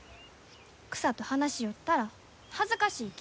草と話しよったら恥ずかしいき。